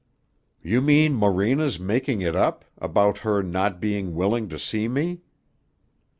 "You mean Morena's making it up about her not being willing to see me?"